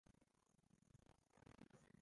ndetse n ingunzu zahaye amashyi ijambo rye